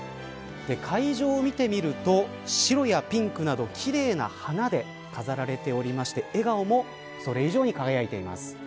会場を見てみると白やピンクなど奇麗な花で飾られておりまして笑顔もそれ以上に輝いています。